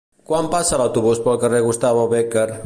Quan passa l'autobús pel carrer Gustavo Bécquer?